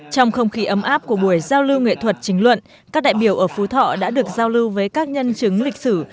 trong không khí ấm áp của buổi giao lưu nghệ thuật chính luận các đại biểu ở phú thọ đã được giao lưu với các nhân chứng lịch sử